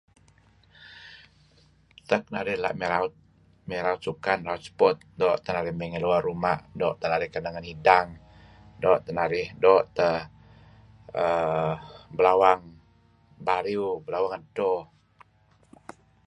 Tak narih raut may raut sukan raut sport doo' th narih may ngi luar ruma' doo' teh arih kaneh ngen idang, doo' teh narih doo' teh uhm belawang bariew, belawang edto koh.